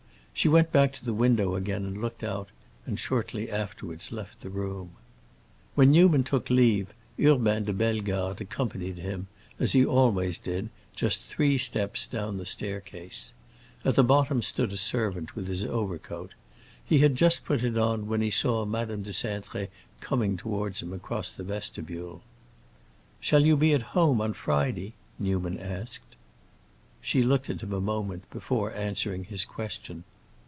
She went back to the window again and looked out, and shortly afterwards left the room. When Newman took leave, Urbain de Bellegarde accompanied him, as he always did, just three steps down the staircase. At the bottom stood a servant with his overcoat. He had just put it on when he saw Madame de Cintré coming towards him across the vestibule. "Shall you be at home on Friday?" Newman asked. She looked at him a moment before answering his question.